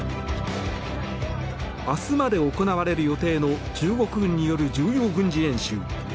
明日まで行われる予定の中国軍による重要軍事演習。